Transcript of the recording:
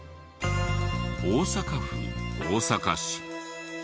大阪府大阪市。